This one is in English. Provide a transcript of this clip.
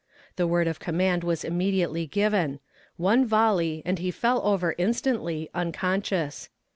The word of command was immediately given. One volley, and he fell over instantly, unconscious.